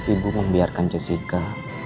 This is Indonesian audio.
ibu membiarkan jessica